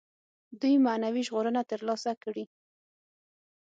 دوی معنوي ژغورنه تر لاسه کړي.